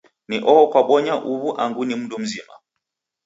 Ni oho kwabonya uwu angu ni mndu mzima?